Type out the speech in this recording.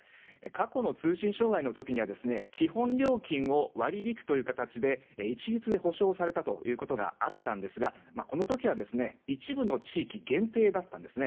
過去の通信障害の時には基本料金を割り引くという形で一律で補償されたということがあったんですがこの時は一部の地域限定だったんです。